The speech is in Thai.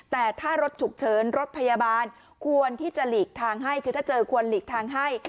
แต่ถ้ารถฉุกเฉินรถพยาบาลควรที่จะหลีกทางให้คือถ้าเจอควรหลีกทางให้